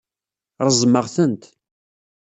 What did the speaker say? Reẓmeɣ-tent.